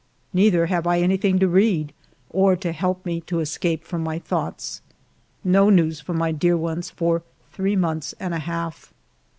Neither have I anything to read, or to help me to escape from my thoughts. No news from my dear ones for three months and a half!